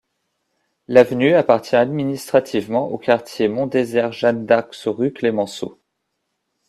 L'avenue appartient administrativement au quartier Mon Désert - Jeanne d'Arc - Saurupt - Clemenceau.